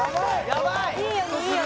やばいえ